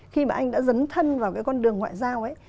khi mà anh đã dấn thân vào cái con đường ngoại giao ấy